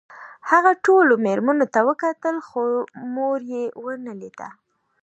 هغه ټولو مېرمنو ته وکتل خو مور یې ونه لیده